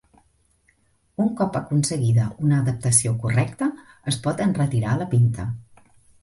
Un cop aconseguida una adaptació correcta es pot enretirar la pinta.